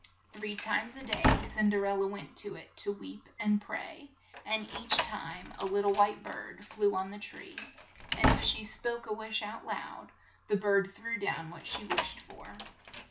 Three times a day Cin der el la went to it to weep and pray, and each time a lit tle white bird flew on the tree ; and if she spoke a wish out lou 1, the bird threw down what she wished for.